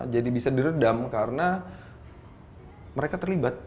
jadi bisa diredam karena mereka terlibat